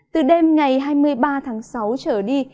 từ đêm ngày hai mươi ba tháng sáu trở đi